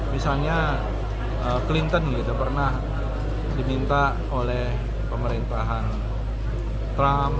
misalnya clinton gitu pernah diminta oleh pemerintahan trump